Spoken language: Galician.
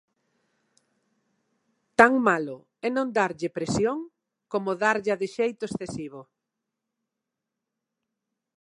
Tan malo é non darlle presión como darlla de xeito excesivo.